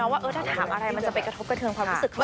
ว่าถ้าถามอะไรมันจะไปกระทบกระเทิงความรู้สึกไหม